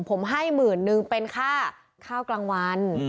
ผมให้หมื่นนึงเป็นค่าข้าวกลางวัน